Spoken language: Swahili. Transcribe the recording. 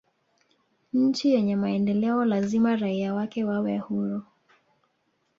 nchi yenye maendeleo lazima raia wake wawe huru